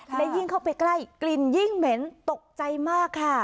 และยิ่งเข้าไปใกล้กลิ่นยิ่งเหม็นตกใจมากค่ะ